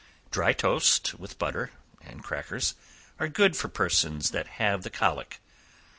Dry toast without butter, and crackers, are good for persons that have the colic.